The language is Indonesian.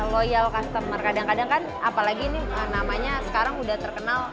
loyal customer kadang kadang kan apalagi ini namanya sekarang udah terkenal